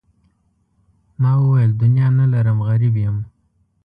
ما وویل دنیا نه لرم غریب یم.